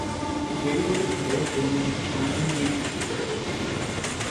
Jerry বলেছিল drone ছয় নং বিনে থাকবে।